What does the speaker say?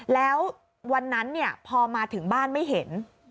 แล้ววันนั้นพอมาถึงบ้านไม่เห็น